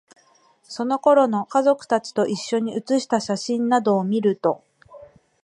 その頃の、家族達と一緒に写した写真などを見ると、